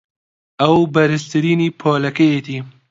ئەو بەرزترینی پۆلەکەیەتی.